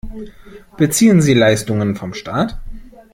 Beziehen sie Leistungen von Staat?